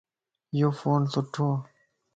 يو فون سھڻوَ